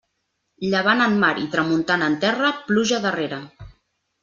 Llevant en mar i tramuntana en terra, pluja darrera.